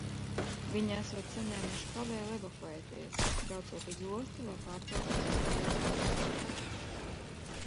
Viņi esot saņēmuši pavēli evakuēties, braucot uz ostu, lai pārceltos uz Hēlas pussalu.